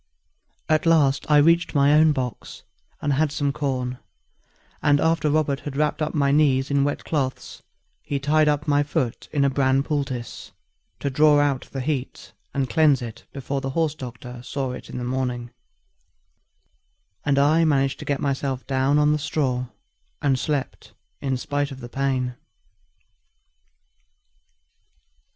At last I reached my own box, and had some corn; and after Robert had wrapped up my knees in wet cloths, he tied up my foot in a bran poultice, to draw out the heat and cleanse it before the horse doctor saw it in the morning, and I managed to get myself down on the straw, and slept in spite of the pain.